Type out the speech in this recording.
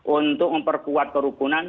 untuk memperkuat kerukunan